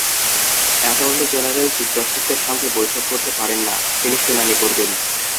Attorney general chief জাস্টিসের সঙ্গে বৈঠক করতে পারেন না, তিনি শুনানি করবেন।